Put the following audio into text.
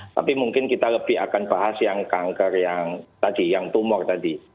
tapi mungkin kita lebih akan bahas yang kanker yang tadi yang tumor tadi